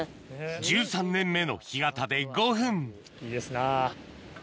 １３年目の干潟で５分いいですなぁ。